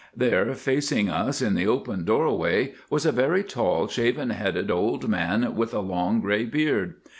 There facing us in the open doorway was a very tall, shaven headed old man with a long grey beard.